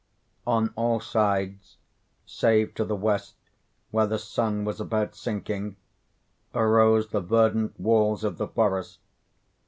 On all sides—save to the west, where the sun was about sinking—arose the verdant walls of the forest.